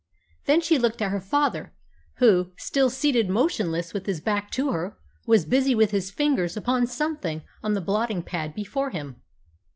Then she looked at her father, who, still seated motionless with his back to her, was busy with his fingers upon something on the blotting pad before him.